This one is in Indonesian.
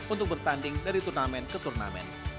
untuk bertanding dari turnamen ke turnamen